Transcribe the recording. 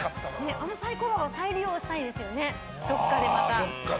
あのサイコロ再利用したいですよね、どこかでまた。